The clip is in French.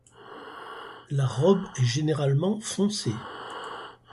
La robe est généralement foncée.